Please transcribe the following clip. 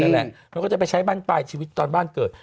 เขาจะไปใช้บ้านแต่ชีวิตบ้านเกิด